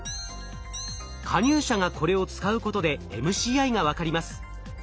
加入者がこれを使うことでＭＣＩが分かります。